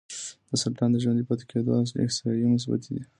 د سرطان د ژوندي پاتې کېدو احصایې مثبتې دي.